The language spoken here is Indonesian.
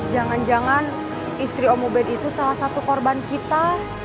jangan jangan istri omo ben itu salah satu korban kita